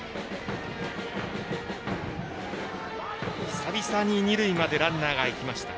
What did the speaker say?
久々に、二塁までランナーがいきました。